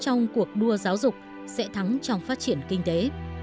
trong cuộc đua giáo dục sẽ thắng trong phát triển kinh tế